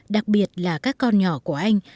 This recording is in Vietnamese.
đặc biệt là các con nhỏ của anh